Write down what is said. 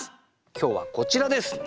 今日はこちらです。